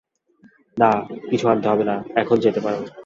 না, কিছু আনতে হবে না, এখন যেতে পারো।